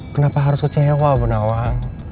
kenapa harus kecewa bu nawang